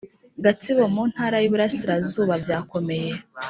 Gatsibo mu Intara y iburasirazuba byakomeye